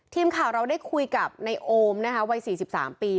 ทีมข่าวเราได้คุยกับในโอมนะคะวัย๔๓ปี